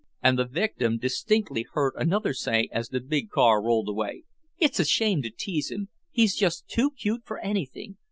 And the victim distinctly heard another say, as the big car rolled away: "It's a shame to tease him; he's just too cute for anything.